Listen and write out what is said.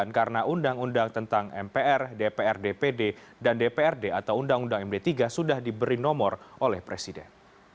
karena undang undang tentang mpr dpr dpd dan dprd atau undang undang md tiga sudah diberi nomor oleh presiden